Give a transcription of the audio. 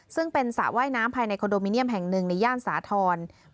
ซึ่งเป็นสระว่ายน้ำภายในคอนโดมิเนียมแห่งหนึ่งในย่านสาธรณ์